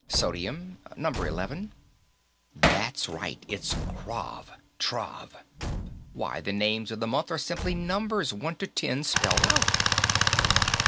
"Sodium. Number Eleven." That's right; it's Krav, Trav. Why, the names of the months are simply numbers, one to ten, spelled out.